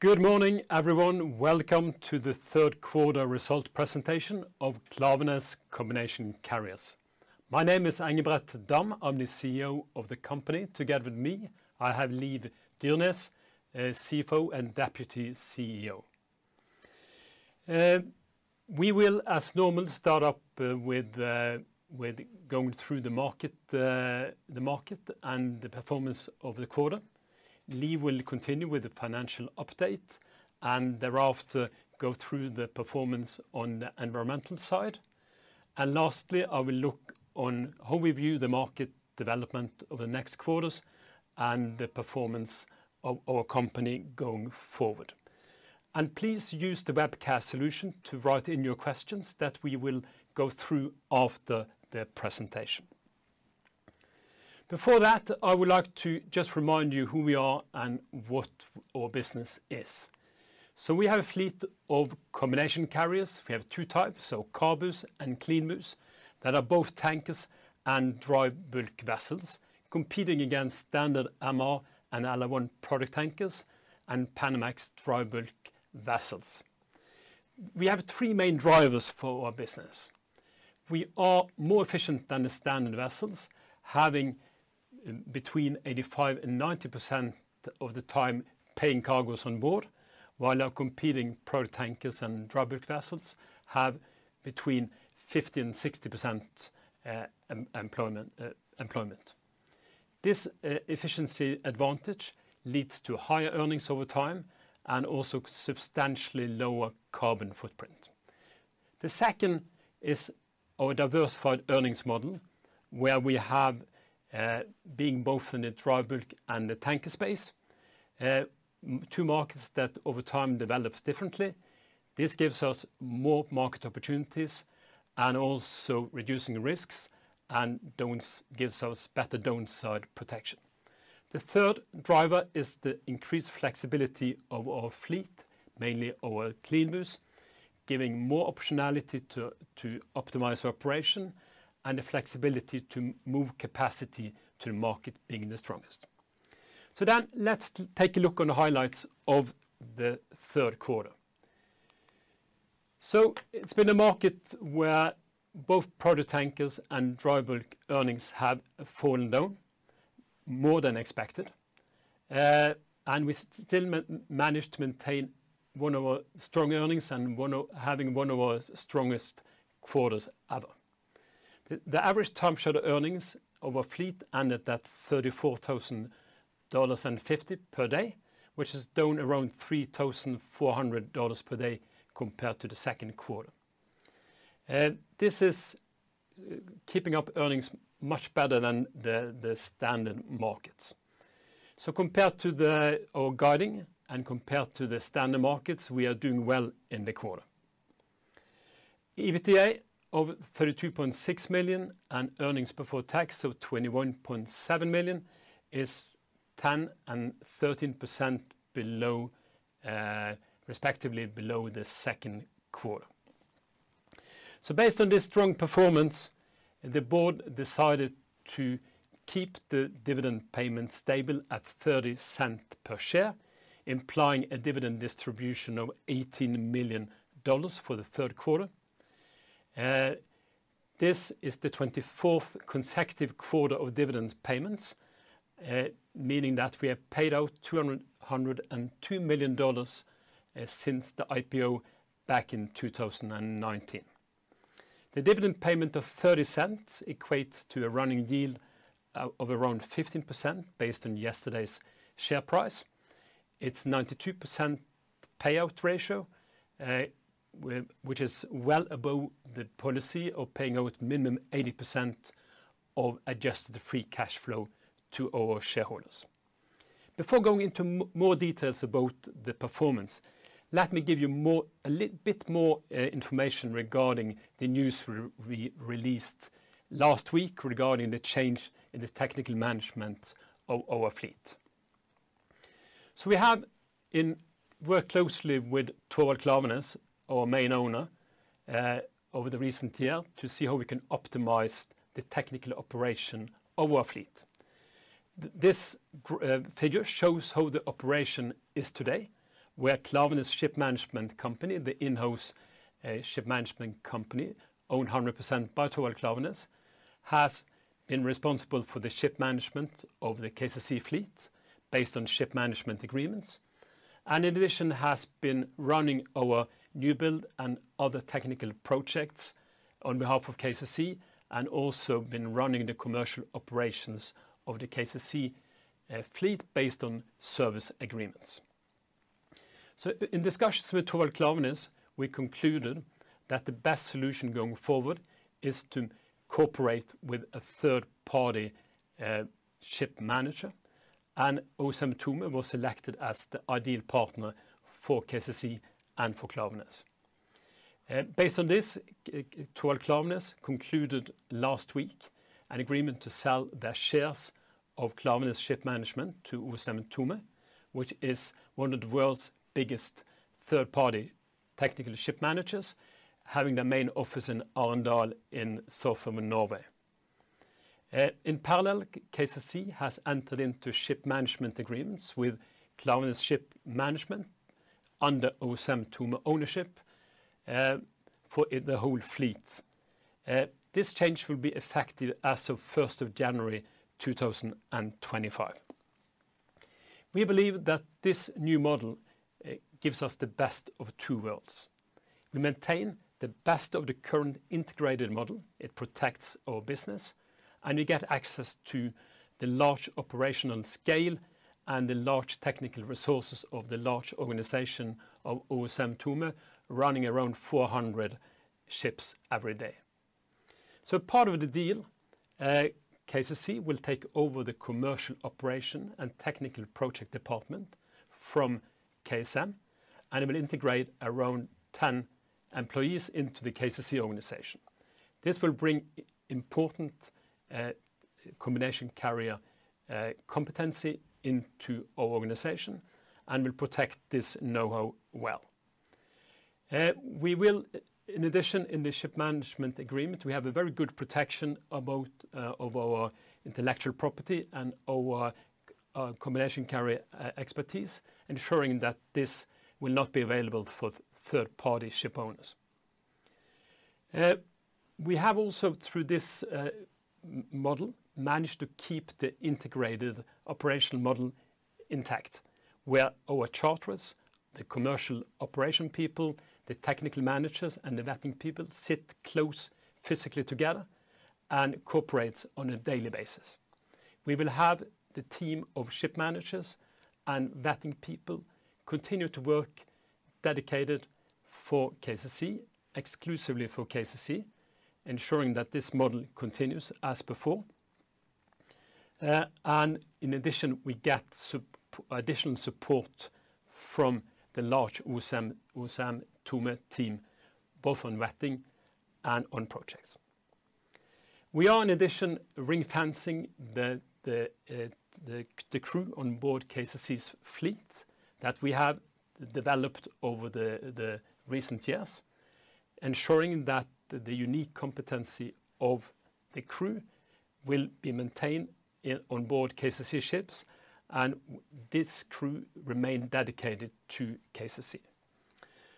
Good morning, everyone. Welcome to the Q3 result presentation of Klaveness Combination Carriers. My name is Engebret Dahm. I'm the CEO of the company. Together with me, I have Liv Dyrnes, CFO and Deputy CEO. We will, as normal, start off with going through the market and the performance over the quarter. Liv will continue with the financial update and thereafter go through the performance on the environmental side. Lastly, I will look on how we view the market development over the next quarters and the performance of our company going forward. Please use the webcast solution to write in your questions that we will go through after the presentation. Before that, I would like to just remind you who we are and what our business is. So we have a fleet of combination carriers. We have two types, so CABU and CLEANBU that are both tankers and dry bulk vessels competing against standard MR and LR1 product tankers and Panamax dry bulk vessels. We have three main drivers for our business. We are more efficient than the standard vessels, having between 85%-90% of the time paying CABU on board, while our competing product tankers and dry bulk vessels have between 50%-60% employment. This efficiency advantage leads to higher earnings over time and also substantially lower carbon footprint. The second is our diversified earnings model, where we have being both in the dry bulk and the tanker space, two markets that over time develop differently. This gives us more market opportunities and also reducing risks and gives us better downside protection. The third driver is the increased flexibility of our fleet, mainly our CLEANBU, giving more optionality to optimize operation and the flexibility to move capacity to the market being the strongest. So then let's take a look on the highlights of the Q3. So it's been a market where both product tankers and dry bulk earnings have fallen down more than expected, and we still managed to maintain one of our strong earnings and having one of our strongest quarters ever. The average TCE of our fleet ended at $34,050 per day, which is down around $3,400 per day compared to the second quarter. This is keeping up earnings much better than the spot markets. So compared to our guidance and compared to the spot markets, we are doing well in the quarter. EBITDA of $32.6 million and earnings before tax of $21.7 million is 10% and 13% respectively below the second quarter. So based on this strong performance, the board decided to keep the dividend payment stable at $0.30 per share, implying a dividend distribution of $18 million for the Q3. This is the 24th consecutive quarter of dividend payments, meaning that we have paid out $202 million since the IPO back in 2019. The dividend payment of $0.30 equates to a running yield of around 15% based on yesterday's share price. It's a 92% payout ratio, which is well above the policy of paying out minimum 80% of adjusted free cash flow to our shareholders. Before going into more details about the performance, let me give you a little bit more information regarding the news we released last week regarding the change in the technical management of our fleet. So we have worked closely with Torvald Klaveness, our main owner, over the recent year to see how we can optimize the technical operation of our fleet. This figure shows how the operation is today, where Klaveness Ship Management Company, the in-house ship management company, owned 100% by Torvald Klaveness, has been responsible for the ship management of the KCC fleet based on ship management agreements, and in addition, has been running our new build and other technical projects on behalf of KCC and also been running the commercial operations of the KCC fleet based on service agreements. So in discussions with Torvald Klaveness, we concluded that the best solution going forward is to cooperate with a third-party ship manager, and OSM Thome was selected as the ideal partner for KCC and for Klaveness. Based on this, Torvald Klaveness concluded last week an agreement to sell their shares of Klaveness Ship Management to OSM Thome, which is one of the world's biggest third-party technical ship managers, having their main office in Arendal in southern Norway. In parallel, KCC has entered into ship management agreements with Klaveness Ship Management under OSM Thome ownership for the whole fleet. This change will be effective as of 1st of January 2025. We believe that this new model gives us the best of two worlds. We maintain the best of the current integrated model. It protects our business, and we get access to the large operational scale and the large technical resources of the large organization of OSM Thome, running around 400 ships every day, so part of the deal, KCC will take over the commercial operation and technical project department from KSM, and it will integrate around 10 employees into the KCC organization. This will bring important combination carrier competency into our organization and will protect this know-how well. We will, in addition, in the ship management agreement, we have a very good protection of our intellectual property and our combination carrier expertise, ensuring that this will not be available for third-party ship owners. We have also, through this model, managed to keep the integrated operational model intact, where our charters, the commercial operation people, the technical managers, and the vetting people sit close physically together and cooperate on a daily basis. We will have the team of ship managers and vetting people continue to work dedicated for KCC, exclusively for KCC, ensuring that this model continues as before. And in addition, we get additional support from the large OSM Thome team, both on vetting and on projects. We are, in addition, ring-fencing the crew on board KCC's fleet that we have developed over the recent years, ensuring that the unique competency of the crew will be maintained on board KCC ships, and this crew remains dedicated to KCC.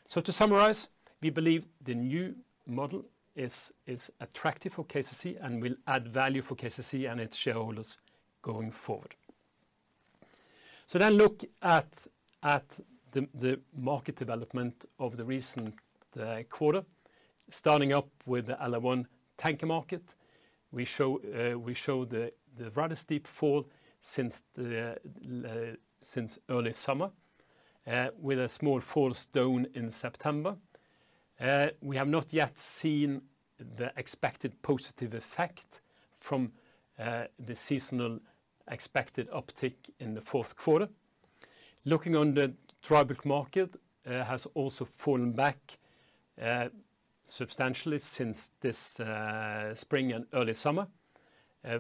So to summarize, we believe the new model is attractive for KCC and will add value for KCC and its shareholders going forward. So then look at the market development of the recent quarter, starting up with the LR1 tanker market. We show the rather steep fall since early summer, with a small upturn in September. We have not yet seen the expected positive effect from the seasonal expected uptick in the Q4. Looking on the dry bulk market, it has also fallen back substantially since this spring and early summer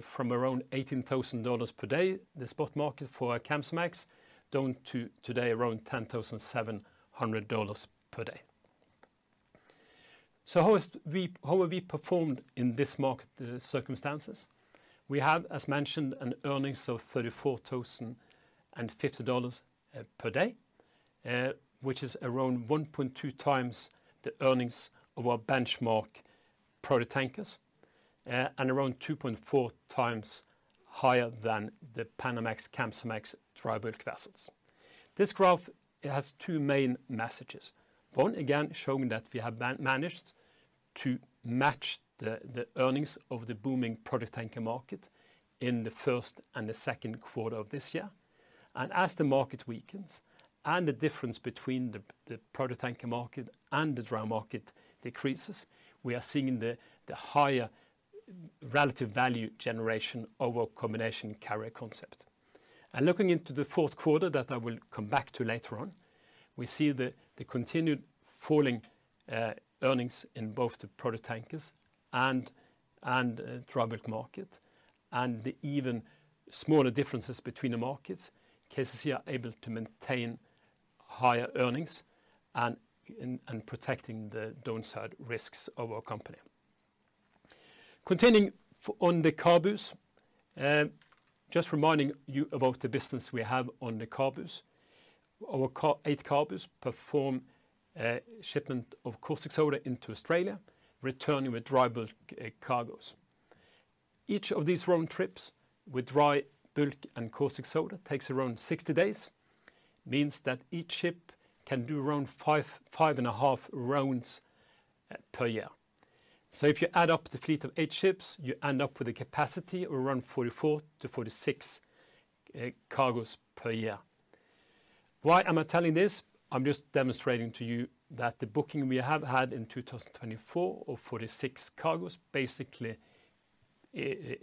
from around $18,000 per day. The spot market for a Kamsarmax down to today around $10,700 per day. So how have we performed in this market circumstances? We have, as mentioned, an earnings of $34,050 per day, which is around 1.2 times the earnings of our benchmark product tankers and around 2.4 times higher than the Panamax Kamsarmax dry bulk vessels. This graph has two main messages. One, again, showing that we have managed to match the earnings of the booming product tanker market in the first and the second quarter of this year. As the market weakens and the difference between the product tanker market and the dry market decreases, we are seeing the higher relative value generation of our combination carrier concept. Looking into the Q4 that I will come back to later on, we see the continued falling earnings in both the product tankers and dry bulk market, and the even smaller differences between the markets. KCC are able to maintain higher earnings and protecting the downside risks of our company. Continuing on the CABU, just reminding you about the business we have on the CABU. Our eight CABU perform shipment of Caustic Soda into Australia, returning with dry bulk cargoes. Each of these round trips with dry bulk and Caustic Soda takes around 60 days, means that each ship can do around five and a half rounds per year. So if you add up the fleet of eight ships, you end up with a capacity of around 44-46 cargoes per year. Why am I telling this? I'm just demonstrating to you that the booking we have had in 2024 of 46 cargoes basically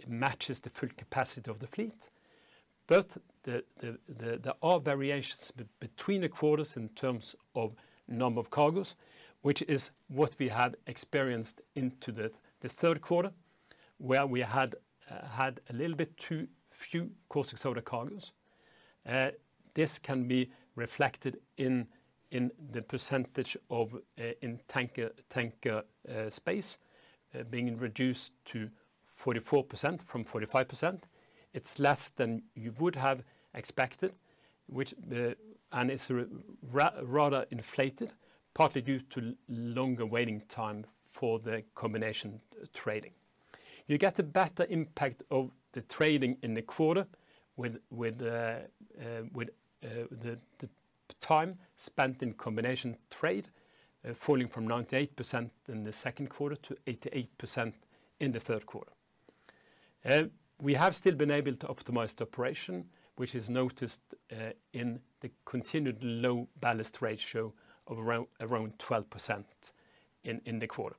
matches the full capacity of the fleet, but there are variations between the quarters in terms of number of cargoes, which is what we have experienced into the Q3, where we had a little bit too few Caustic Soda cargoes. This can be reflected in the percentage of in tanker space being reduced to 44% from 45%. It's less than you would have expected, and it's rather inflated, partly due to longer waiting time for the combination trading. You get a better impact of the trading in the quarter with the time spent in combination trade, falling from 98% in the second quarter to 88% in the Q3. We have still been able to optimize the operation, which is noticed in the continued low ballast ratio of around 12% in the quarter.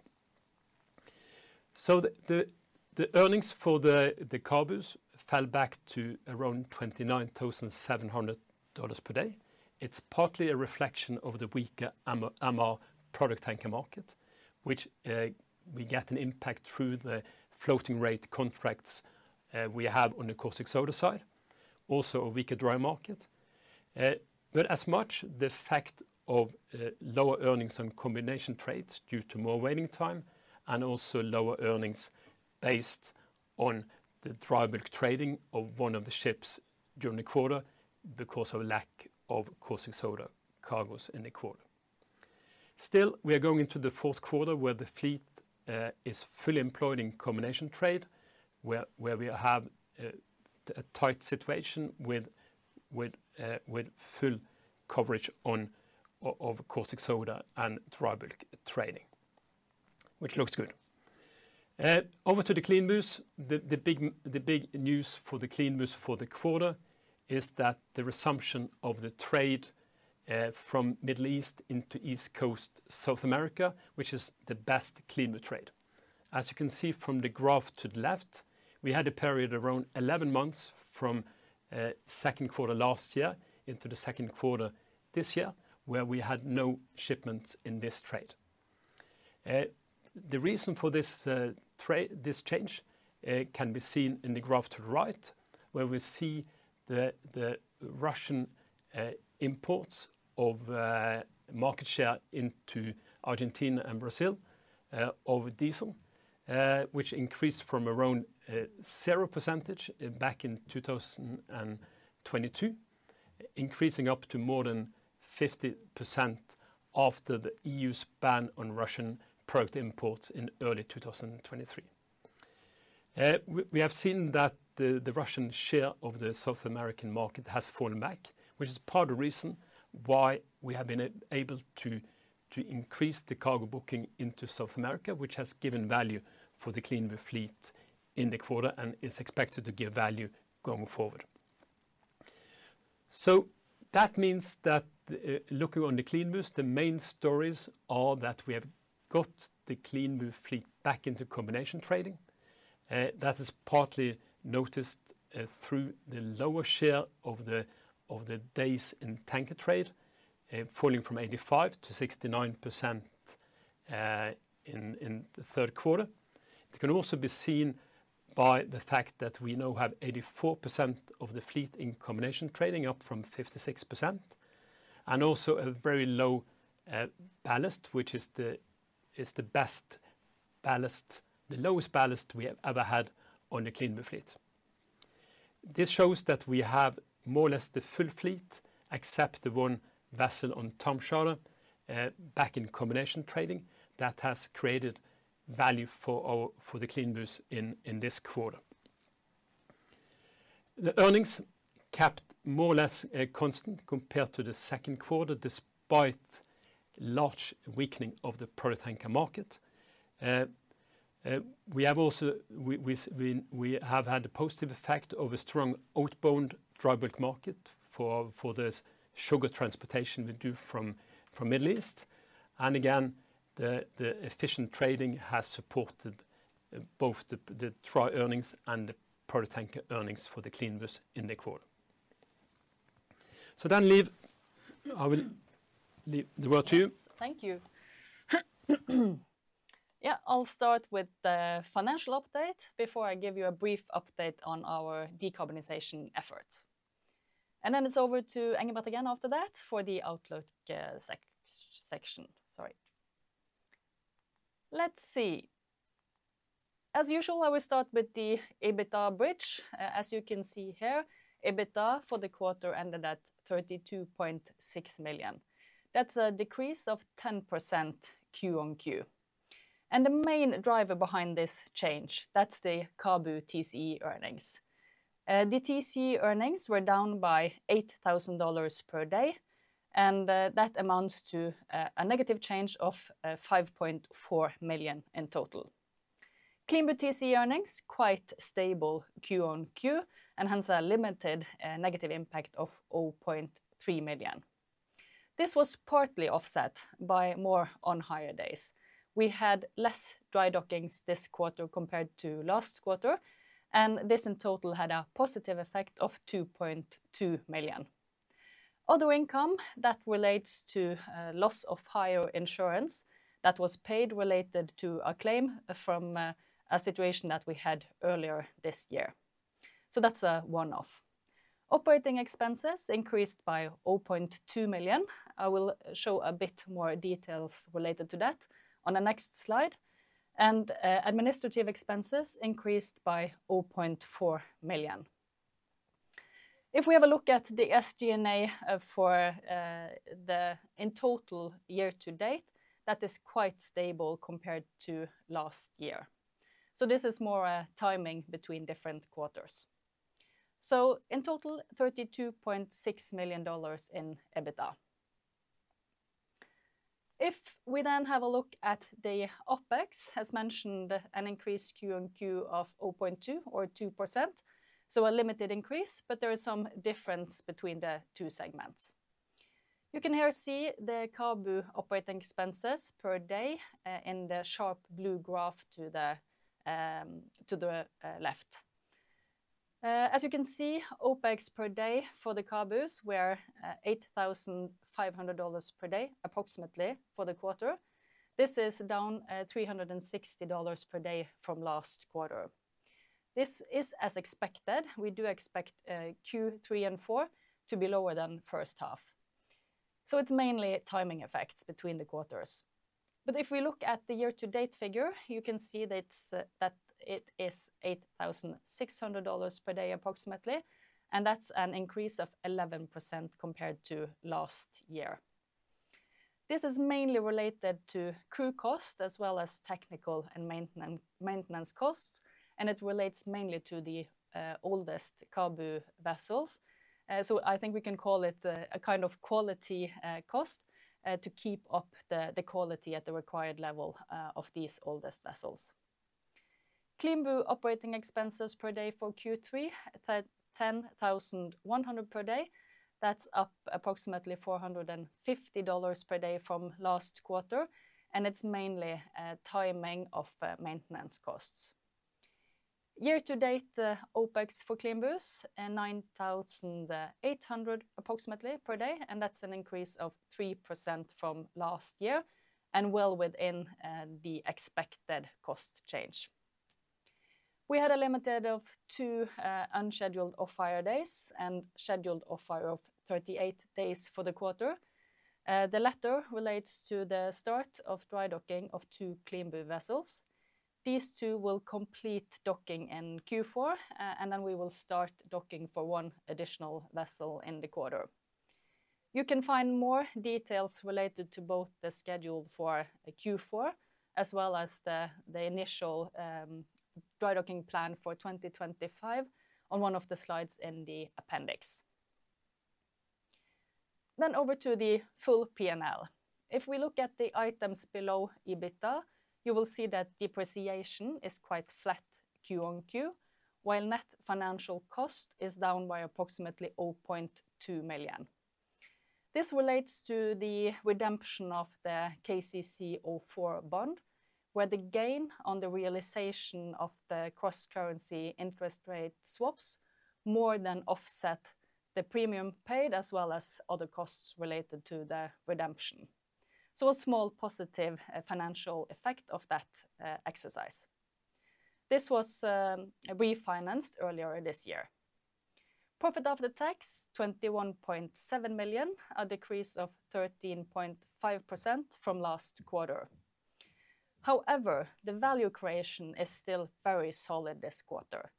So the earnings for the cargoes fell back to around $29,700 per day. It's partly a reflection of the weaker MR product tanker market, which we get an impact through the floating rate contracts we have on the Caustic Soda side. Also, a weaker dry market, but as much the fact of lower earnings on combination trades due to more waiting time and also lower earnings based on the dry bulk trading of one of the ships during the quarter because of lack of Caustic Soda cargoes in the quarter. Still, we are going into the Q4 where the fleet is fully employed in combination trade, where we have a tight situation with full coverage of Caustic Soda and dry bulk trading, which looks good. Over to the CLEANBU. The big news for the CLEANBU for the quarter is that the resumption of the trade from Middle East into East Coast South America, which is the best CLEANBU trade. As you can see from the graph to the left, we had a period of around 11 months from second quarter last year into the second quarter this year, where we had no shipments in this trade. The reason for this change can be seen in the graph to the right, where we see the Russian imports of market share into Argentina and Brazil of diesel, which increased from around 0% back in 2022, increasing up to more than 50% after the EU's ban on Russian product imports in early 2023. We have seen that the Russian share of the South American market has fallen back, which is part of the reason why we have been able to increase the cargo booking into South America, which has given value for the CLEANBU fleet in the quarter and is expected to give value going forward, so that means that looking on the CLEANBU, the main stories are that we have got the CLEANBU fleet back into combination trading. That is partly noticed through the lower share of the days in tanker trade, falling from 85%-69% in the Q3. It can also be seen by the fact that we now have 84% of the fleet in combination trading, up from 56%, and also a very low ballast, which is the best ballast, the lowest ballast we have ever had on the CLEANBU fleet. This shows that we have more or less the full fleet, except the one vessel on time charter back in combination trading that has created value for the CLEANBU in this quarter. The earnings kept more or less constant compared to the second quarter, despite large weakening of the product tanker market. We have also had a positive effect of a strong outbound dry bulk market for the sugar transportation we do from Middle East. Again, the efficient trading has supported both the dry earnings and the product tanker earnings for the CLEANBU in the quarter. Then, Liv, I will leave the word to you. Thank you. Yeah, I'll start with the financial update before I give you a brief update on our decarbonization efforts. Then it's over to Engebret again after that for the outlook section. Sorry. Let's see. As usual, I will start with the EBITDA bridge. As you can see here, EBITDA for the quarter ended at $32.6 million. That's a decrease of 10% Q on Q. The main driver behind this change, that's the CABU TCE earnings. The TCE earnings were down by $8,000 per day, and that amounts to a negative change of $5.4 million in total. CLEANBU TCE earnings, quite stable Q on Q, and hence a limited negative impact of $0.3 million. This was partly offset by more on-hire days. We had less dry dockings this quarter compared to last quarter, and this in total had a positive effect of $2.2 million. Other income that relates to loss of hire insurance that was paid related to a claim from a situation that we had earlier this year, so that's a one-off. Operating expenses increased by $0.2 million. I will show a bit more details related to that on the next slide, and administrative expenses increased by $0.4 million. If we have a look at the SG&A for the in total year to date, that is quite stable compared to last year, so this is more a timing between different quarters, so in total, $32.6 million in EBITDA. If we then have a look at the OPEX, as mentioned, an increase Q on Q of 0.2 or 2%, so a limited increase, but there is some difference between the two segments. You can here see the CABU operating expenses per day in the sharp blue graph to the left. As you can see, OPEX per day for the CABU were $8,500 per day approximately for the quarter. This is down $360 per day from last quarter. This is as expected. We do expect Q3 and Q4 to be lower than first half. It's mainly timing effects between the quarters. But if we look at the year-to-date figure, you can see that it is $8,600 per day approximately, and that's an increase of 11% compared to last year. This is mainly related to crew cost as well as technical and maintenance costs, and it relates mainly to the oldest cargo vessels. So I think we can call it a kind of quality cost to keep up the quality at the required level of these oldest vessels. CLEANBU operating expenses per day for Q3, $10,100 per day. That's up approximately $450 per day from last quarter, and it's mainly timing of maintenance costs. Year-to-date OPEX for CLEANBU, $9,800 approximately per day, and that's an increase of 3% from last year and well within the expected cost change. We had a total of two unscheduled off-hire days and scheduled off-hire of 38 days for the quarter. The latter relates to the start of dry docking of two CLEANBU vessels. These two will complete dry docking in Q4, and then we will start dry docking for one additional vessel in the quarter. You can find more details related to both the schedule for Q4 as well as the initial dry docking plan for 2025 on one of the slides in the appendix. Then over to the full P&L. If we look at the items below EBITDA, you will see that depreciation is quite flat Q on Q, while net financial cost is down by approximately $0.2 million. This relates to the redemption of the KCC04 bond, where the gain on the realization of the cross-currency interest rate swaps more than offset the premium paid as well as other costs related to the redemption. So a small positive financial effect of that exercise. This was refinanced earlier this year. Profit after tax, $21.7 million, a decrease of 13.5% from last quarter. However, the value creation is still very solid this quarter.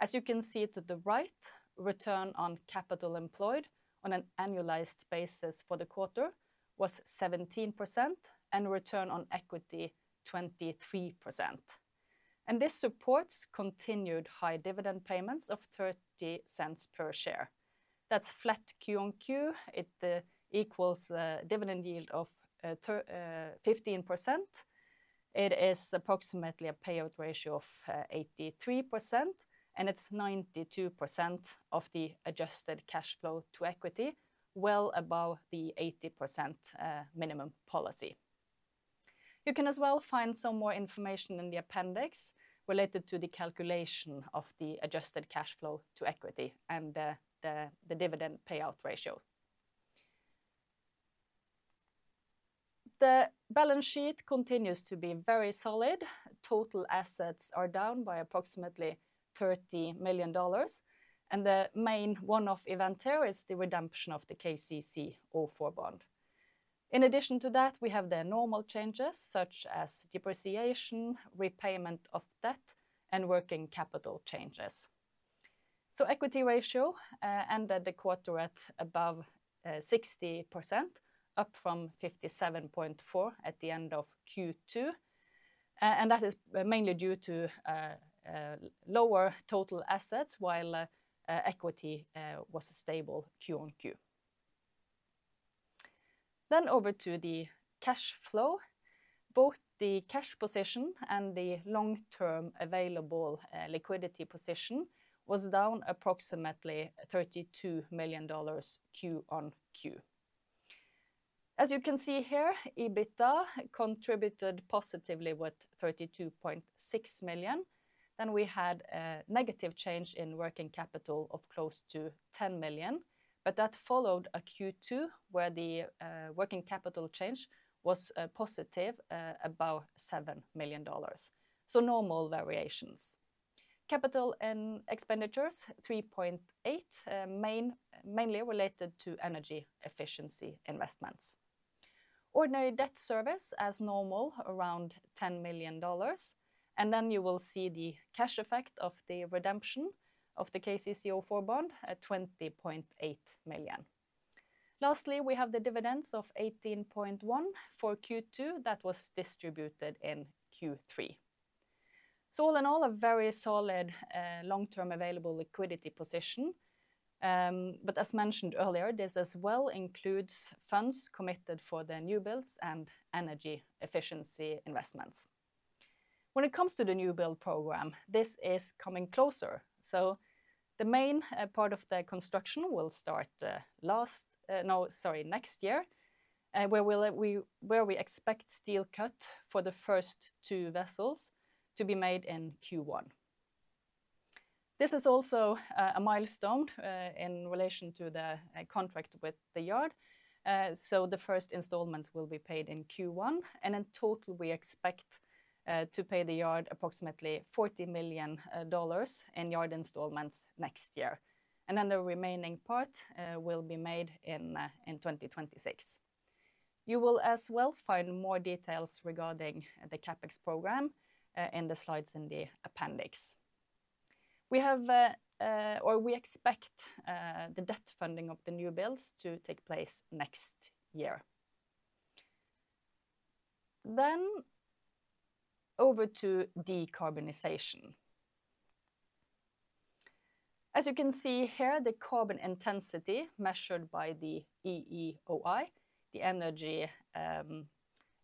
As you can see to the right, return on capital employed on an annualized basis for the quarter was 17% and return on equity 23%. This supports continued high dividend payments of $0.30 per share. That's flat Q on Q. It equals a dividend yield of 15%. It is approximately a payout ratio of 83%, and it's 92% of the adjusted cash flow to equity, well above the 80% minimum policy. You can as well find some more information in the appendix related to the calculation of the adjusted cash flow to equity and the dividend payout ratio. The balance sheet continues to be very solid. Total assets are down by approximately $30 million, and the main one-off event here is the redemption of the KCC04 bond. In addition to that, we have the normal changes such as depreciation, repayment of debt, and working capital changes. So equity ratio ended the quarter at above 60%, up from 57.4% at the end of Q2, and that is mainly due to lower total assets while equity was a stable Q on Q. Then over to the cash flow. Both the cash position and the long-term available liquidity position was down approximately $32 million Q on Q. As you can see here, EBITDA contributed positively with $32.6 million. Then we had a negative change in working capital of close to $10 million, but that followed a Q2 where the working capital change was positive about $7 million. So normal variations. CapEx, $3.8 million, mainly related to energy efficiency investments. Ordinary debt service as normal, around $10 million. You will see the cash effect of the redemption of the KCC04 bond at $20.8 million. Lastly, we have the dividends of $18.1 million for Q2 that was distributed in Q3. All in all, a very solid long-term available liquidity position. As mentioned earlier, this as well includes funds committed for the new builds and energy efficiency investments. When it comes to the new build program, this is coming closer. The main part of the construction will start last, no, sorry, next year, where we expect steel cut for the first two vessels to be made in Q1. This is also a milestone in relation to the contract with the yard. The first installments will be paid in Q1, and in total, we expect to pay the yard approximately $40 million in yard installments next year. Then the remaining part will be made in 2026. You will as well find more details regarding the CapEx program in the slides in the appendix. We have, or we expect the debt funding of the new builds to take place next year. Over to decarbonization. As you can see here, the carbon intensity measured by the EEOI, the Energy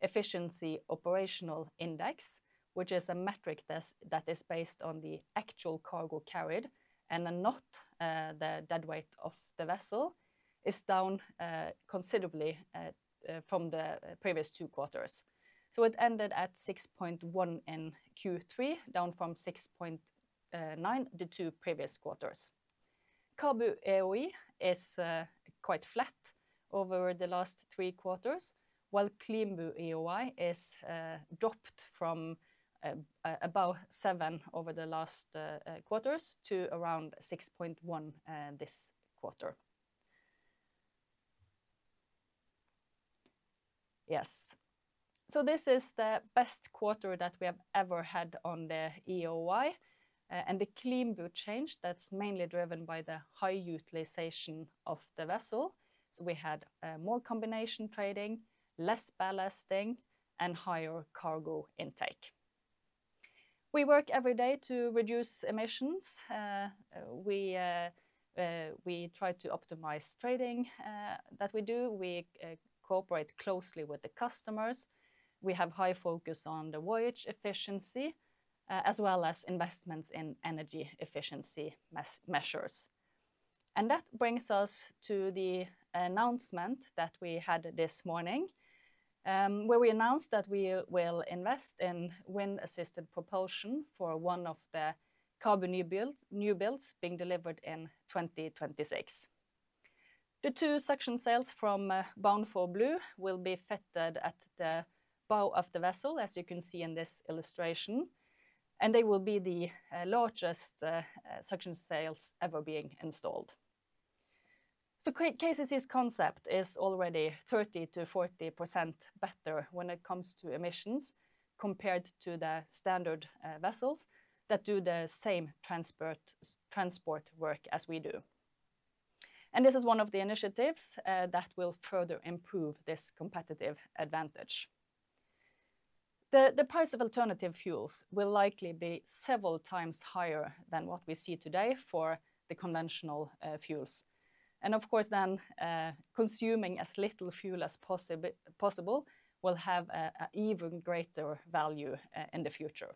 Efficiency Operational Index, which is a metric that is based on the actual cargo carried and not the deadweight of the vessel, is down considerably from the previous two quarters. So it ended at 6.1 in Q3, down from 6.9 the two previous quarters. CABU EEOI is quite flat over the last three quarters, while CLEANBU EEOI has dropped from about 7 over the last quarters to around 6.1 this quarter. Yes. This is the best quarter that we have ever had on the EEOI, and the CLEANBU change that's mainly driven by the high utilization of the vessel. We had more combination trading, less ballasting, and higher cargo intake. We work every day to reduce emissions. We try to optimize trading that we do. We cooperate closely with the customers. We have high focus on the voyage efficiency as well as investments in energy efficiency measures. That brings us to the announcement that we had this morning, where we announced that we will invest in wind-assisted propulsion for one of the CABU new builds being delivered in 2026. The two suction sails from Bound for Blue will be fitted at the bow of the vessel, as you can see in this illustration, and they will be the largest suction sails ever being installed. KCC's concept is already 30%-40% better when it comes to emissions compared to the standard vessels that do the same transport work as we do. And this is one of the initiatives that will further improve this competitive advantage. The price of alternative fuels will likely be several times higher than what we see today for the conventional fuels. And of course, then consuming as little fuel as possible will have an even greater value in the future.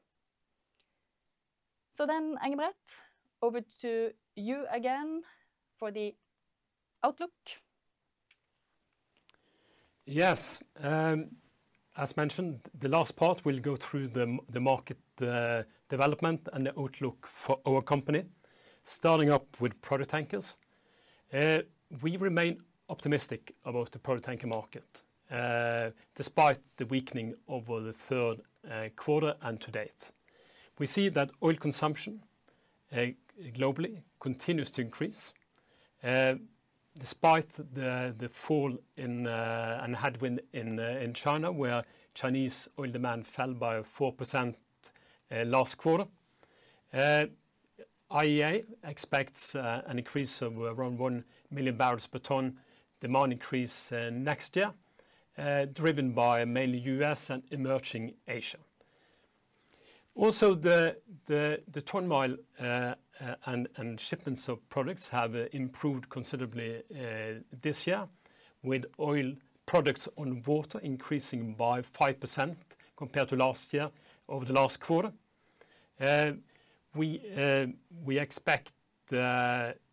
So then, Engebret, over to you again for the outlook. Yes. As mentioned, the last part, we'll go through the market development and the outlook for our company, starting with product tankers. We remain optimistic about the product tanker market despite the weakening over the Q3 and to date. We see that oil consumption globally continues to increase despite the fall in demand and headwind in China, where Chinese oil demand fell by 4% last quarter. IEA expects an increase of around 1 million barrels per day demand increase next year, driven mainly by U.S. and emerging Asia. Also, the ton-mile and shipments of products have improved considerably this year, with oil products on water increasing by 5% compared to last year over the last quarter. We expect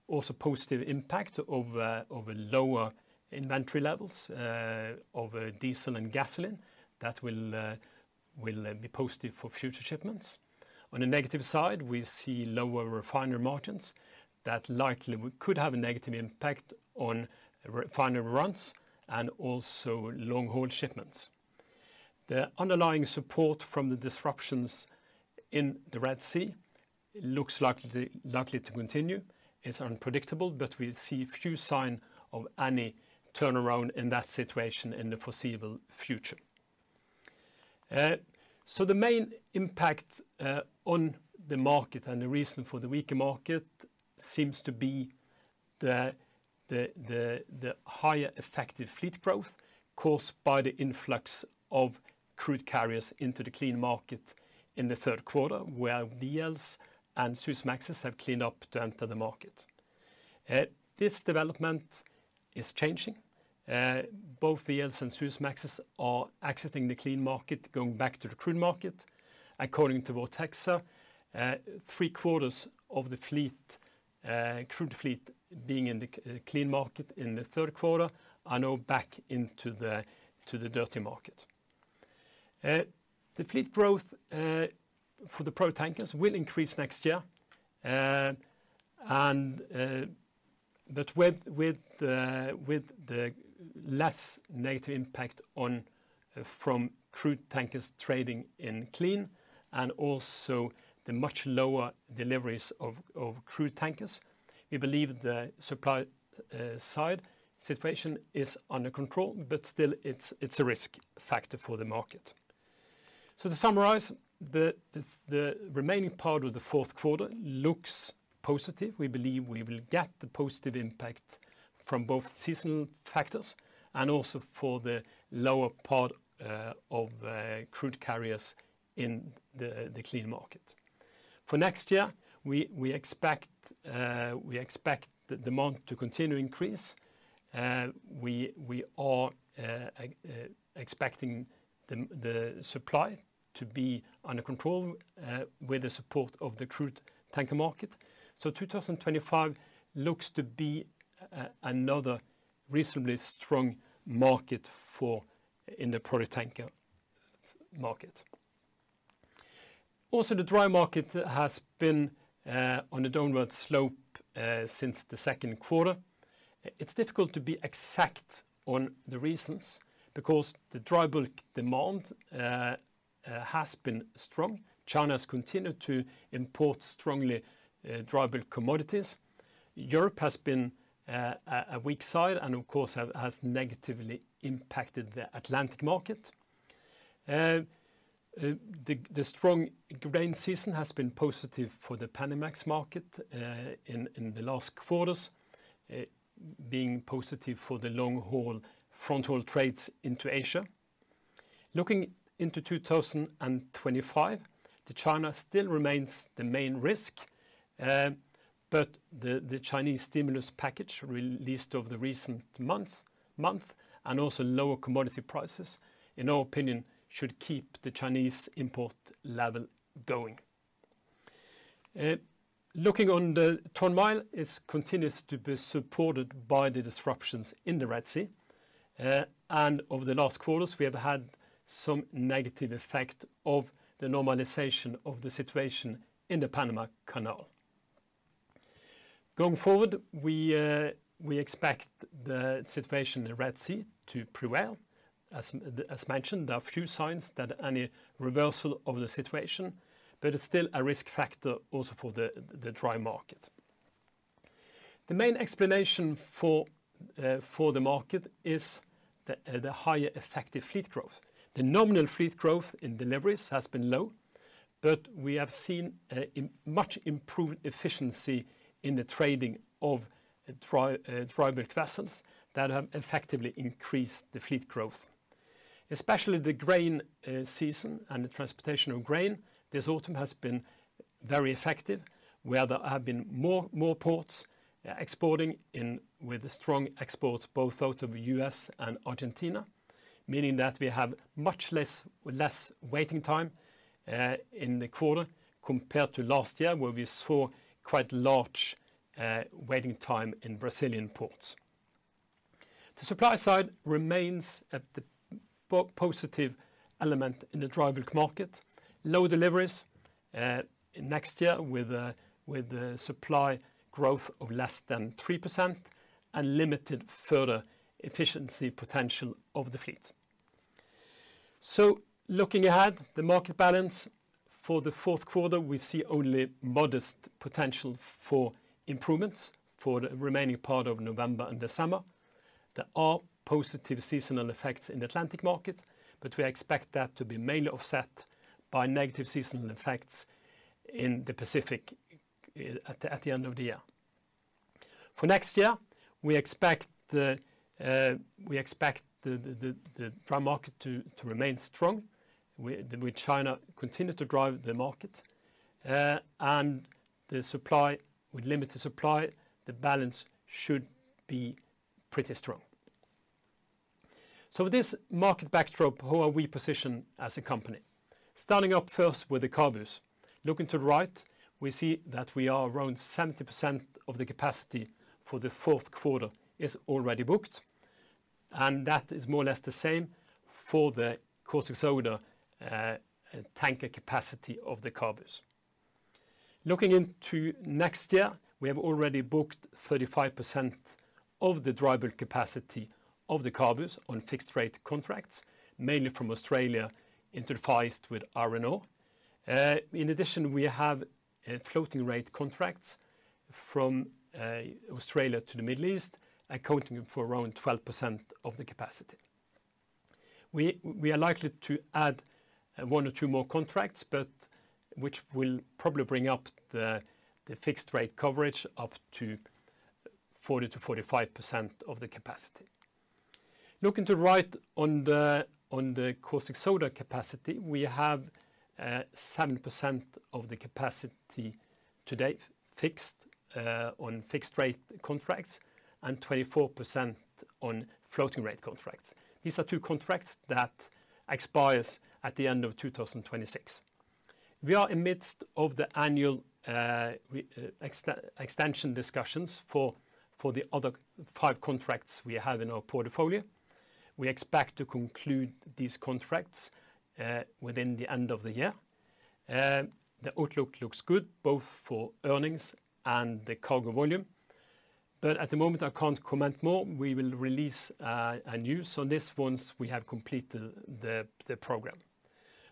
also positive impact of lower inventory levels of diesel and gasoline that will be positive for future shipments. On the negative side, we see lower refinery margins that likely could have a negative impact on refinery runs and also long-haul shipments. The underlying support from the disruptions in the Red Sea looks likely to continue. It's unpredictable, but we see few signs of any turnaround in that situation in the foreseeable future. So the main impact on the market and the reason for the weaker market seems to be the higher effective fleet growth caused by the influx of crude carriers into the clean market in the Q3, where VLs and Suezmaxes have cleaned up to enter the market. This development is changing. Both VLs and Suezmaxes are exiting the clean market, going back to the crude market. According to Vortexa, three quarters of the crude fleet being in the clean market in the Q3 are now back into the dirty market. The fleet growth for the product tankers will increase next year, but with the less negative impact from crude tankers trading in clean and also the much lower deliveries of crude tankers. We believe the supply side situation is under control, but still it's a risk factor for the market. So to summarize, the remaining part of the Q4 looks positive. We believe we will get the positive impact from both seasonal factors and also for the lower part of crude carriers in the clean market. For next year, we expect the demand to continue to increase. We are expecting the supply to be under control with the support of the crude tanker market. So 2025 looks to be another reasonably strong market in the product tanker market. Also, the dry market has been on a downward slope since the second quarter. It's difficult to be exact on the reasons because the dry bulk demand has been strong. China has continued to import strongly dry bulk commodities. Europe has been a weak side and, of course, has negatively impacted the Atlantic market. The strong grain season has been positive for the Panamax market in the last quarters, being positive for the long-haul front-haul trades into Asia. Looking into 2025, China still remains the main risk, but the Chinese stimulus package released over the recent months and also lower commodity prices, in our opinion, should keep the Chinese import level going. Looking on the ton-mile, it continues to be supported by the disruptions in the Red Sea. Over the last quarters, we have had some negative effect of the normalization of the situation in the Panama Canal. Going forward, we expect the situation in the Red Sea to prevail. As mentioned, there are few signs of any reversal of the situation, but it's still a risk factor also for the dry market. The main explanation for the market is the higher effective fleet growth. The nominal fleet growth in deliveries has been low, but we have seen much improved efficiency in the trading of dry bulk vessels that have effectively increased the fleet growth. Especially the grain season and the transportation of grain, this autumn has been very effective, where there have been more ports exporting with strong exports both out of the U.S. and Argentina, meaning that we have much less waiting time in the quarter compared to last year, where we saw quite large waiting time in Brazilian ports. The supply side remains the positive element in the dry bulk market. Low deliveries next year with supply growth of less than 3% and limited further efficiency potential of the fleet. So looking ahead, the market balance for the Q4, we see only modest potential for improvements for the remaining part of November and December. There are positive seasonal effects in the Atlantic market, but we expect that to be mainly offset by negative seasonal effects in the Pacific at the end of the year. For next year, we expect the dry market to remain strong with China continuing to drive the market and the limited supply. The balance should be pretty strong. So with this market backdrop, how are we positioned as a company? Starting up first with the CABUs, looking to the right, we see that we are around 70% of the capacity for the Q4 is already booked, and that is more or less the same for the Caustic Soda tanker capacity of the CABUs. Looking into next year, we have already booked 35% of the dry bulk capacity of the CABUs on fixed rate contracts, mainly from Australia interfaced with R&O. In addition, we have floating rate contracts from Australia to the Middle East, accounting for around 12% of the capacity. We are likely to add one or two more contracts, which will probably bring up the fixed rate coverage up to 40%-45% of the capacity. Looking to the right on the Caustic Soda capacity, we have 7% of the capacity today fixed on fixed rate contracts and 24% on floating rate contracts. These are two contracts that expire at the end of 2026. We are amidst the annual extension discussions for the other five contracts we have in our portfolio. We expect to conclude these contracts within the end of the year. The outlook looks good both for earnings and the cargo volume, but at the moment, I can't comment more. We will release a news on this once we have completed the program.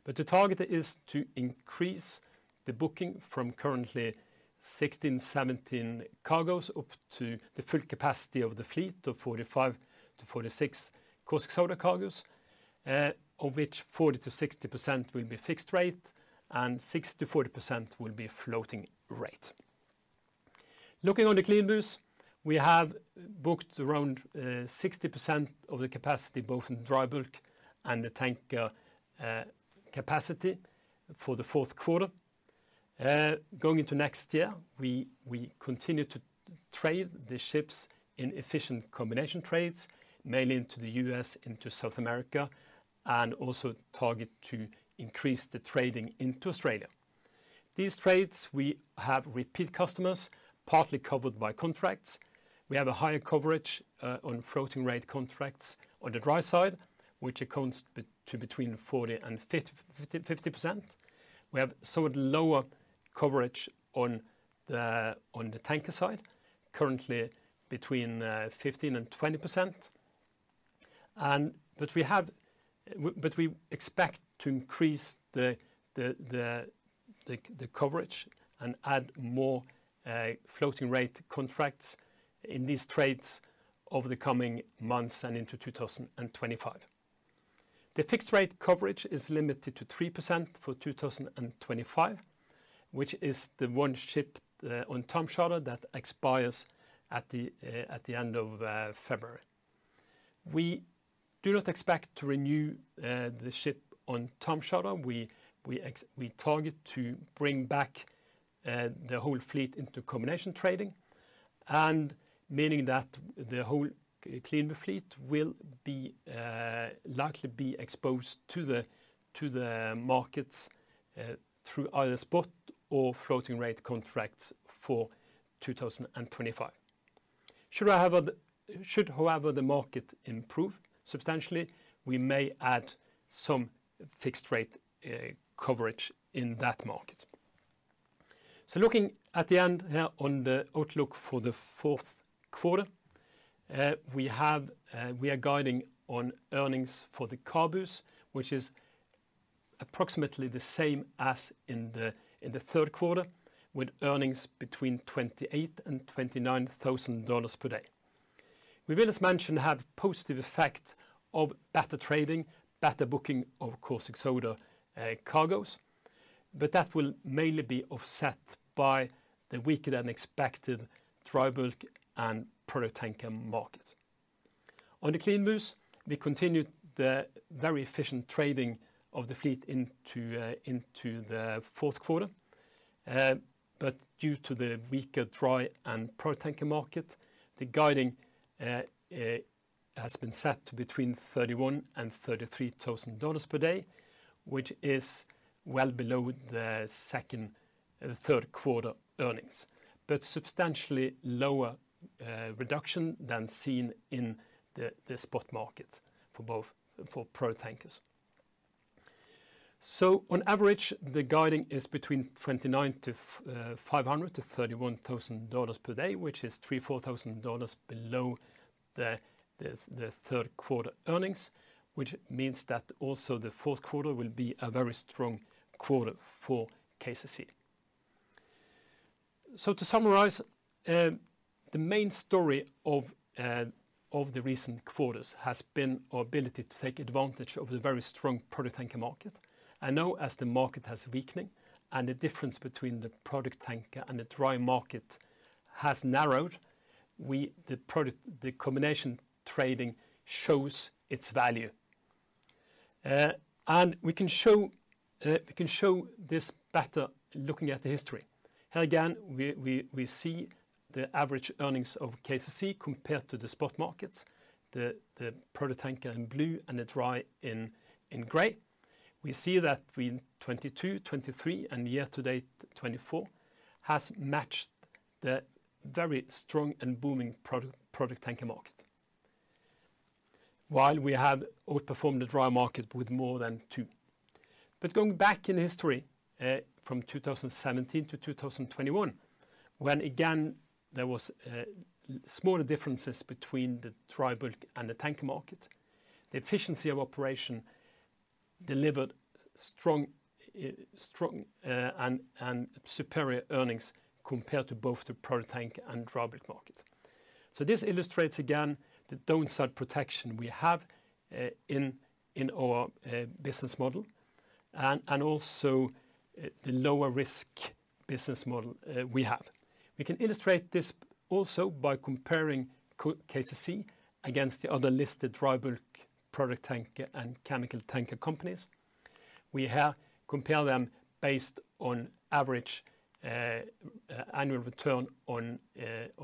But the target is to increase the booking from currently 16, 17 cargoes up to the full capacity of the fleet of 45-46 caustic soda cargoes, of which 40%-60% will be fixed rate and 60%-40% will be floating rate. Looking on the CLEANBU, we have booked around 60% of the capacity both in dry bulk and the tanker capacity for the Q4. Going into next year, we continue to trade the ships in efficient combination trades, mainly into the U.S., into South America, and also target to increase the trading into Australia. These trades, we have repeat customers, partly covered by contracts. We have a higher coverage on floating rate contracts on the dry side, which accounts to between 40% and 50%. We have somewhat lower coverage on the tanker side, currently between 15% and 20%. We expect to increase the coverage and add more floating rate contracts in these trades over the coming months and into 2025. The fixed rate coverage is limited to 3% for 2025, which is the one ship on time charter that expires at the end of February. We do not expect to renew the ship on time charter. We target to bring back the whole fleet into combination trading, meaning that the whole CLEANBU fleet will likely be exposed to the markets through either spot or floating rate contracts for 2025. Should, however, the market improve substantially, we may add some fixed rate coverage in that market. Looking at the end here on the outlook for the Q4, we are guiding on earnings for the CABU, which is approximately the same as in the Q3, with earnings between $28,000 and $29,000 per day. We will, as mentioned, have a positive effect of better trading, better booking of Caustic Soda cargoes, but that will mainly be offset by the weaker than expected dry bulk and product tanker market. On the CLEANBU, we continue the very efficient trading of the fleet into the Q4, but due to the weaker dry and product tanker market, the guiding has been set to between $31,000 and $33,000 per day, which is well below the Q3 earnings, but substantially lower reduction than seen in the spot market for product tankers. So on average, the guiding is between $29,500- $31,000 per day, which is $3,000- $4,000 below the Q3 earnings, which means that also the Q4 will be a very strong quarter for KCC. To summarize, the main story of the recent quarters has been our ability to take advantage of the very strong product tanker market. And now, as the market has weakened and the difference between the product tanker and the dry market has narrowed, the combination trading shows its value. And we can show this better looking at the history. Here again, we see the average earnings of KCC compared to the spot markets, the product tanker in blue and the dry in gray. We see that 2022, 2023, and year to date 2024 has matched the very strong and booming product tanker market, while we have outperformed the dry market with more than two. But going back in history from 2017 to 2021, when again there were smaller differences between the dry bulk and the tanker market, the efficiency of operation delivered strong and superior earnings compared to both the product tanker and dry bulk market. So this illustrates again the downside protection we have in our business model and also the lower risk business model we have. We can illustrate this also by comparing KCC against the other listed dry bulk product tanker and chemical tanker companies. We have compared them based on average annual return on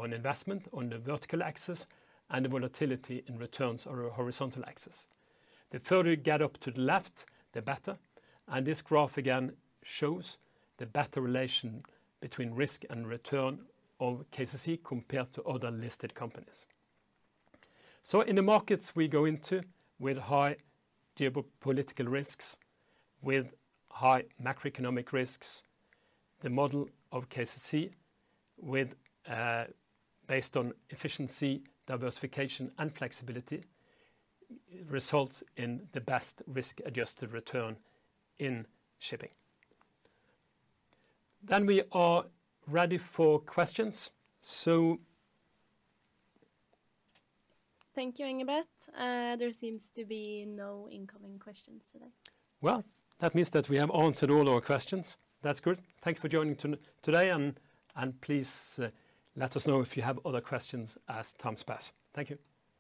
investment on the vertical axis and the volatility in returns on the horizontal axis. The further you get up to the left, the better. And this graph again shows the better relation between risk and return of KCC compared to other listed companies. In the markets we go into with high geopolitical risks, with high macroeconomic risks, the model of KCC based on efficiency, diversification, and flexibility results in the best risk-adjusted return in shipping. We are ready for questions. Thank you, Engebret. There seems to be no incoming questions today. That means that we have answered all our questions. That's good. Thank you for joining today, and please let us know if you have other questions afterwards. Thank you.